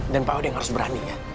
dan pak oden harus berani ya